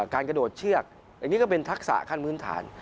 กระโดดเชือกอันนี้ก็เป็นทักษะขั้นพื้นฐาน